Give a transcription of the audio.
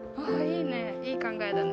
いい考えだね。